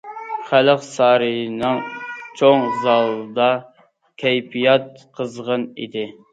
خەلق سارىيىنىڭ چوڭ زالىدا كەيپىيات قىزغىن ئىدى.